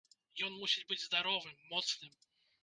Ён мусіць быць здаровым, моцным.